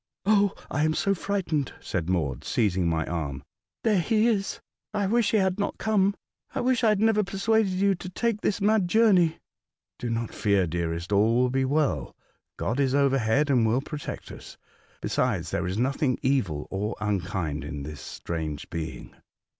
*'0h, I am so frightened," said Maud, seiz ing my arm. '' There he is. I wish we had not come. I wish I had never persuaded you to take this mad journey." '*Do not fear, dearest ; all will be well. God Jimgfrau. 201 is overhead, and will protect us. Besides, there is nothing evil or unkind in this strange being."